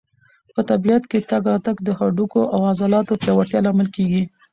په طبیعت کې تګ راتګ د هډوکو او عضلاتو د پیاوړتیا لامل کېږي.